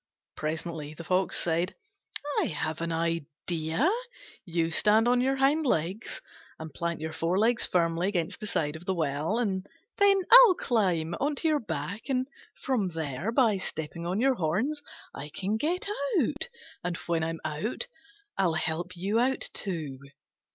Presently the Fox said, "I have an idea. You stand on your hind legs, and plant your forelegs firmly against the side of the well, and then I'll climb on to your back, and, from there, by stepping on your horns, I can get out. And when I'm out, I'll help you out too."